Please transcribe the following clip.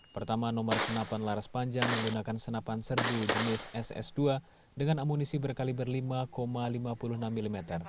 pertama nomor senapan laras panjang menggunakan senapan serbu jenis ss dua dengan amunisi berkaliber lima lima puluh enam mm